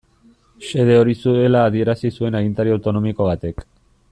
Xede hori zuela adierazi zuen agintari autonomiko batek.